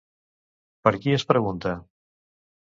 Per qui es pregunta?